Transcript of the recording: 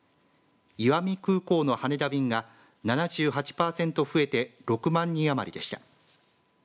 石見空港の羽田便が７８パーセント増えて６万人余りでした。